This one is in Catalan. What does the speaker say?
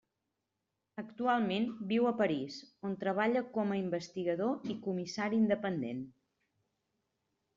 Actualment viu a París, on treballa com a investigador i comissari independent.